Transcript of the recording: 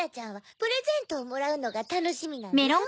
プレゼントをもらうのがたのしみなんでしょ。